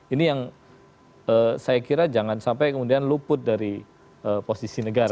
ini yang saya kira jangan sampai kemudian luput dari posisi negara